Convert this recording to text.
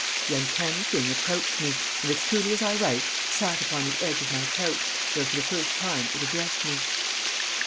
The uncanny thing approached me, and as truly as I write sat upon the edge of my couch, where for the first time it addressed me.